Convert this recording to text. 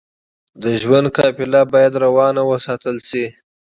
د ژوند قافله بايد روانه وساتل شئ.